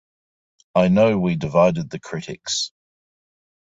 I know we divided the critics.